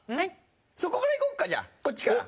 そこからいこうかじゃあこっちから。